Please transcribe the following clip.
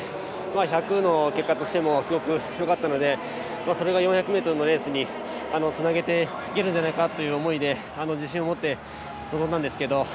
１００の結果としてもすごくよかったのでそれが４００ｍのレースにつなげていけるんじゃないかなという思いで自信を持って臨んだんですけど。